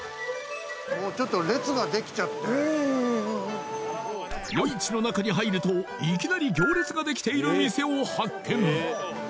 もうちょっと夜市の中に入るといきなり行列ができている店を発見！